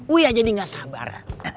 wih jadi gak sabar